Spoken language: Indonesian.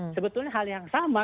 sebetulnya hal yang sama